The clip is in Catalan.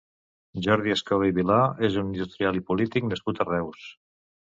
Jordi Escoda i Vilà és un industrial i polític nascut a Reus.